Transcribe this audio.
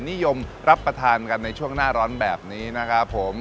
อย่างเช่นประเทศไทยที่ตั้งอยู่ในเขตร้อนและอบอุ่นเป็นส่วนใหญ่